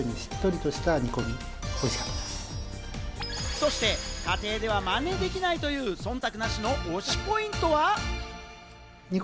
そして家庭ではまねできないという忖度なしの推しポイントは？